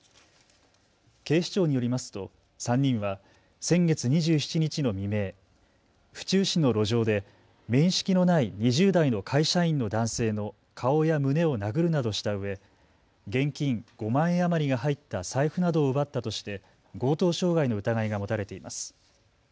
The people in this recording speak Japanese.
警視庁によりますと３人は先月２７日の未明、府中市の路上で面識のない２０代の会社員の男性の顔や胸を殴るなどしたうえ現金５万円余りが入った財布などを奪ったとして強盗傷害の疑いが持たれています。